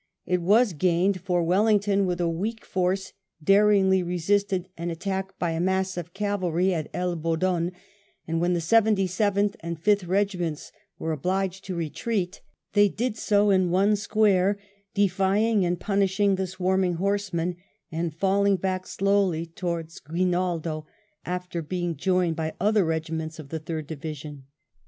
It was gained, for Wellington with a weak force daringly resisted an attack by a mass of cavalry at ElBodon, and when the Seventy seventh and Fifth Eegiments were obliged to retreat, they did so in one square, defying and punishing the swarming horsemen, and falling back slowly towards Guinaldo, after being joined by other regiments of the Third Division.